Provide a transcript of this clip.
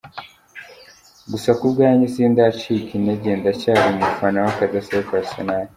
Gusa ku bwanjye sindacika intege ndacyari umufana w’akadasohoka wa Arsenal.